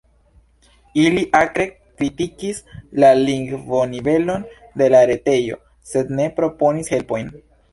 Ili akre kritikis la lingvonivelon de la retejo, sed ne proponis helpojn.